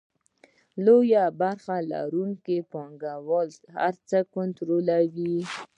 لویه برخه لرونکي پانګوال هر څه کنټرولوي